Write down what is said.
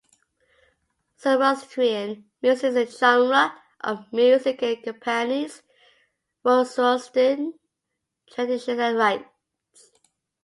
Zoroastrian music is a genre of music that accompanies Zoroastrian traditions and rites.